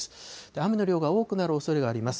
雨の量が多くなるおそれがあります。